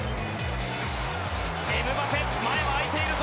エムバペ前は空いているぞ。